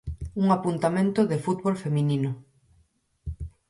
Un apuntamento de fútbol feminino.